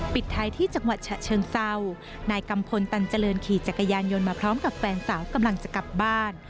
ปิดท้ายที่จังหวัดฉะเชิงเศร้านายกัมพลตันเจริญขี่จักรยานยนต์มาพร้อมกับแฟนสาวกำลังจะกลับบ้าน